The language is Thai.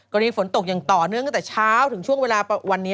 กรุณีฝนตกยังต่อเนื่องจากเช้าถึงช่วงเวลาวันนี้